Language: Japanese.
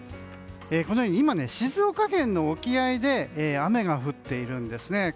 このように今、静岡県の沖合で雨が降っているんですね。